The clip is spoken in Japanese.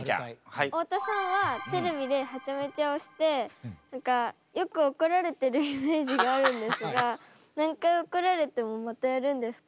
太田さんはテレビではちゃめちゃをして何かよく怒られてるイメージがあるんですが何回怒られてもまたやるんですか？